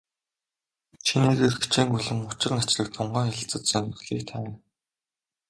Чинээгээр хичээнгүйлэн учир начрыг тунгаан хэлэлцэж, сонирхлыг тавина.